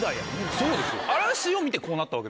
そうですよ。